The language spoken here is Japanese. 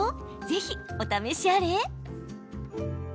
ぜひお試しあれ。